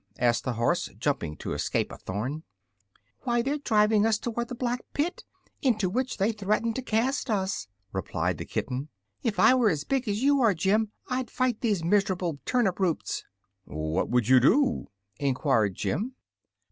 asked the horse, jumping to escape a thorn. "Why, they are driving us toward the Black Pit, into which they threatened to cast us," replied the kitten. "If I were as big as you are, Jim, I'd fight these miserable turnip roots!" "What would you do?" enquired Jim.